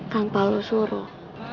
tanpa lo suruh